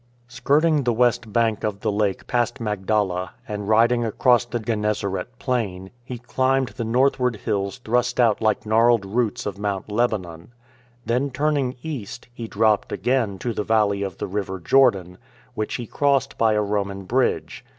Skirting the west bank of the lake past Magdala, and riding across the Gennesaret Plain, he climbed the northward hills thrust out like gnarled roots of Mount Lebanon. Then turning east, he dropped again to the valley of the River Jordan, which he crossed by a Roman bridge.